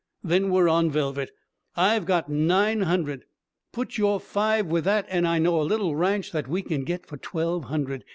Then we're on velvet! I've got nine hundred; put your five with that, and I know a little ranch that we can get for twelve hundred.